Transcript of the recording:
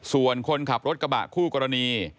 ส่วนคนขับรถกระบะคู่กรณี